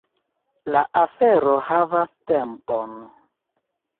La afero havas tempon.